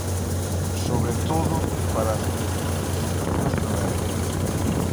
Sobre todo, para as eleccións lexislativas de novembro.